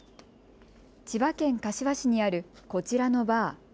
千葉県柏市にある、こちらのバー。